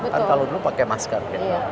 kan kalau dulu pakai masker